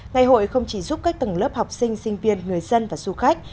ngày hội không chỉ giúp các tầng lớp học sinh sinh viên người dân và du khách